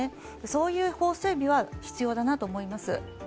そういう法整備は必要だなと思います。